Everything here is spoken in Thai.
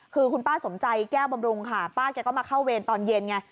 คือคุณป้าสมใจแก้วบำรุงค่ะป้าแกก็มาเข้าเวรตอนเย็นไง